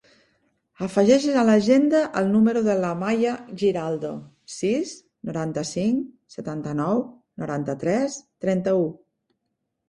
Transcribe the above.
Afegeix a l'agenda el número de l'Amaia Giraldo: sis, noranta-cinc, setanta-nou, noranta-tres, trenta-u.